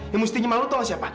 yang mesti malu tau gak siapa